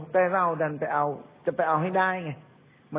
แต่เราดันไปเอาจะไปเอาให้ได้ไง